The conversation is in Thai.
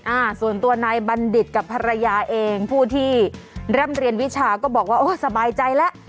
อ่าส่วนตัวนายบัณฑิตกับภรรยาเองผู้ที่ร่ำเรียนวิชาก็บอกว่าโอ้สบายใจแล้ว